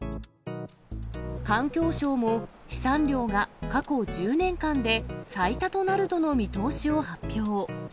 環境省も、飛散量が過去１０年間で最多となるとの見通しを発表。